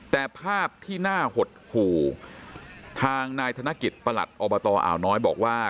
แต่ภาพที่น่าหดหู่ทางนายธนกิจประหลัดอบตอ่าวน้อยบอกว่า